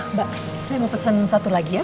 mbak saya mau pesan satu lagi ya